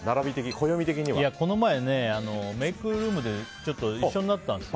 この前、メイクルームで一緒になったんですよ。